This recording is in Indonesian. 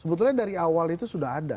sebetulnya dari awal itu sudah ada